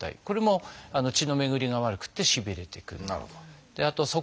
これも血の巡りが悪くてしびれてくると。